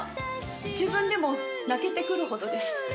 自分でも泣けてくるほどです。